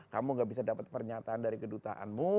kamu gak bisa dapat pernyataan dari kedutaanmu